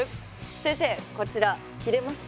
先生こちら切れますか？